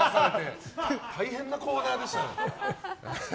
大変なコーナーでしたよ。